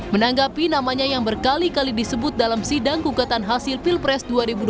menanggapi namanya yang berkali kali disebut dalam sidang gugatan hasil pilpres dua ribu dua puluh